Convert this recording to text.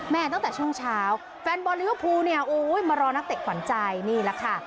ตั้งแต่ช่วงเช้าแฟนบอลลิเวอร์พูลเนี่ยโอ้ยมารอนักเตะขวัญใจนี่แหละค่ะ